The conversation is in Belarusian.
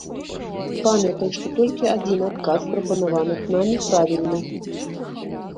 Памятай, што толькі адзін адказ з прапанаваных намі правільны.